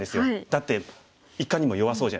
だっていかにも弱そうじゃないですか。